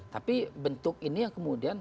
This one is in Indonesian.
tapi bentuk ini yang kemudian